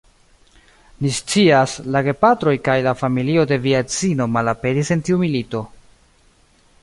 Ni scias, la gepatroj kaj la familio de via edzino malaperis en tiu milito.